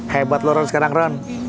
hebat lu ron sekarang ron